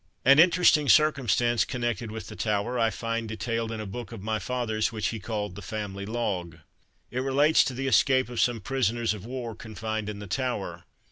An interesting circumstance connected with the Tower I find detailed in a book of my father's, which he called "The Family Log." It relates to the escape of some prisoners of war confined in the Tower.